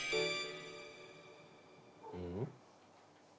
うん？